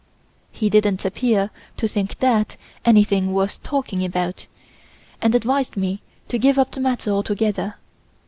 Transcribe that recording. He didn't appear to think that anything worth talking about, and advised me to give up the matter altogether.